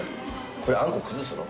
これあんこ崩すの？